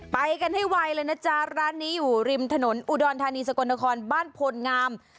ไปกันให้ไวเลยนะจ๊ะร้านนี้อยู่ริมถนนอุดรธานีสกลนครบ้านพลงาม